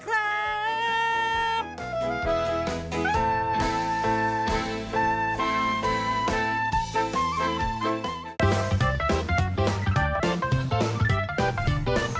โปรดติดตามตอนต่อไป